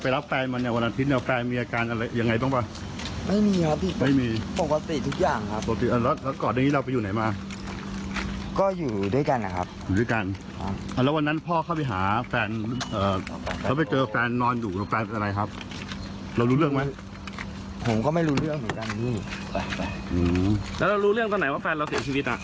แล้วเรารู้เรื่องตอนไหนว่าแฟนเราเสียชีวิต